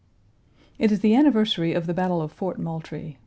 It is the anniversary of the battle of Fort Moultrie.